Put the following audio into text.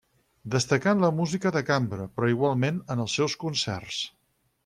Destacà en la música de cambra, però igualment en els seus concerts.